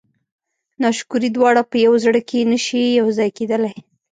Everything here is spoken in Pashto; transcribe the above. ناشکري دواړه په یوه زړه کې نه شي یو ځای کېدلی.